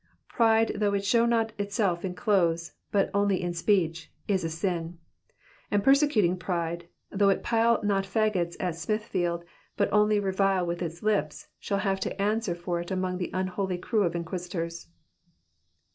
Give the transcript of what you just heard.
Pride though it show not itself in clothes, but only in speech, is a sin ; and persecuting pride, though it pile no fagots at Sniithtield, but only revile with its lips, shall have to answer for it among the unholy crew of inquisitors.